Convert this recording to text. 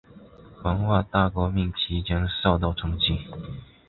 文化大革命期间受到冲击。